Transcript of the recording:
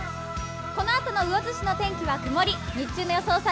このあとの魚津市の天気は曇り、日中の予想